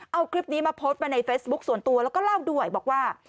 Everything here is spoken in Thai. เอาคลิปนี้มาโพสต์ไปในเฟซบุ๊คส่วนตัวแล้วก็เล่าด้วยบอกว่า